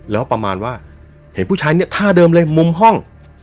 แล้วประมาณว่าเห็นผู้ชายเนี่ยท่าเดิมเลยมุมห้อง